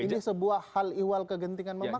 ini sebuah hal iwal kegentingan memak